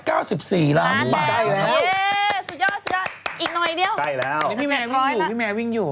ใกล้แล้วอีกหน่อยเดียวใกล้แล้วตั้งแต่๑๐๐ล้านบาทพี่แมววิ่งอยู่